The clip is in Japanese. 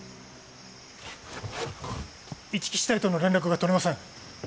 一木支隊との連絡が取れません。